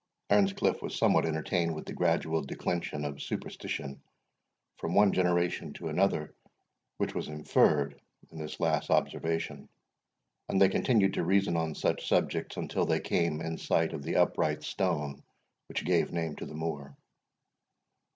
Earnscliff was somewhat entertained with the gradual declension of superstition from one generation to another which was inferred In this last observation; and they continued to reason on such subjects, until they came in sight of the upright stone which gave name to the moor.